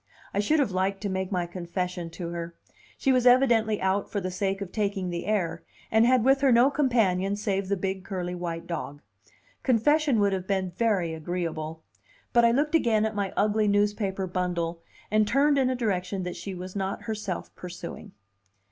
I should have liked to make my confession to her. She was evidently out for the sake of taking the air, and had with her no companion save the big curly white dog; confession would have been very agreeable; but I looked again at my ugly newspaper bundle, and turned in a direction that she was not herself pursuing.